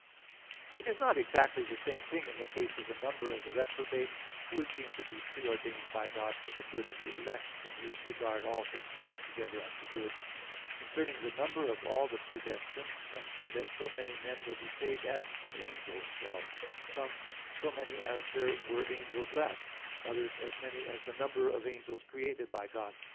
It is not exactly the same thing in the case of the number of the reprobate, who would seem to be pre ordained by God for the good of the elect, in whose regard "all things work together unto good" (Rom. 8:28). Concerning the number of all the predestined, some say that so many men will be saved as angels fell; some, so many as there were angels left; others, as many as the number of angels created by God.